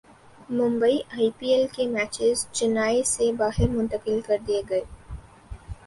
Mumbai I P L کے matches Chennai سے باہر منتقل کر دیئے گئے